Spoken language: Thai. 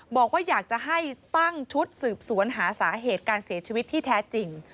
บอกว่าอยากจะให้ตั้งชุดสืบสวนหาสาเหตุการเสียชีวิตที่แท้จริง